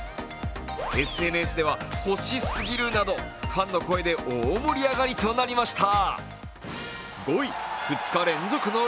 ＳＮＳでは欲しすぎるなど、ファンの声で大盛り上がりとなりました。